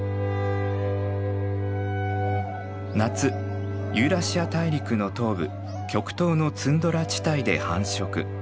夏ユーラシア大陸の東部極東のツンドラ地帯で繁殖。